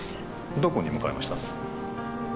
どこに向かいました？